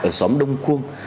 ở xóm đông khuông